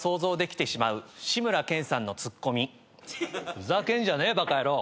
ふざけんじゃねえバカヤロー！